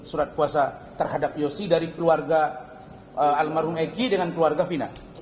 surat puasa terhadap yosi dari keluarga almarhum egy dengan keluarga fina